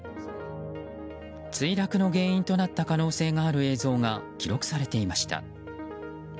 墜落の原因となった可能性がある映像が記録されていました。